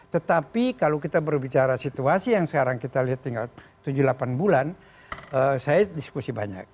tetapi kalau kita berbicara situasi yang sekarang kita lihat tinggal tujuh delapan bulan saya diskusi banyak